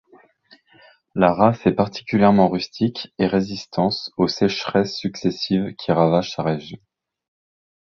La race est particulièrement rustique et résistance aux sécheresses successives qui ravagent sa région.